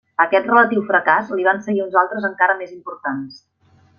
A aquest relatiu fracàs li van seguir uns altres encara més importants.